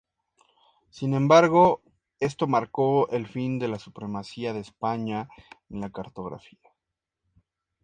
Sin embargo, esto marcó el fin de la supremacía de España en la cartografía.